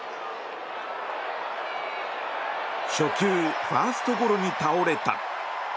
初球ファーストゴロに倒れた。